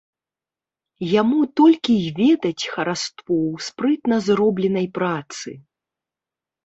Яму толькі й ведаць хараство ў спрытна зробленай працы.